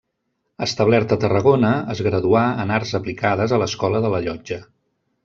Establert a Tarragona, es graduà en arts aplicades a l'Escola de la Llotja.